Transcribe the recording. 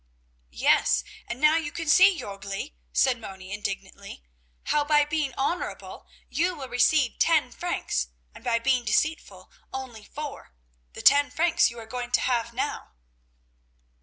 "Yes, and now you can see, Jörgli," said Moni, indignantly, "how by being honorable you will receive ten francs, and by being deceitful only four: the ten francs you are going to have now."